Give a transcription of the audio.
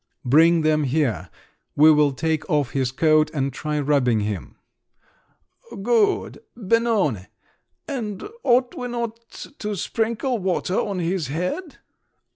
"Bring them here; we will take off his coat and try rubbing him." "Good … Benone! And ought we not to sprinkle water on his head?"